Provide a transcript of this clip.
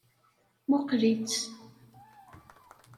Mmuqqel-itt.